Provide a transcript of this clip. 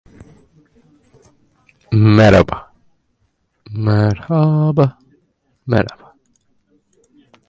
Vijayawada has several magazines in Telugu and English languages.